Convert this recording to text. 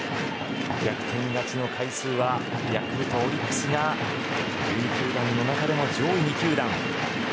逆転勝ちの回数はヤクルト、オリックスが１２球団の中でも上位２球団。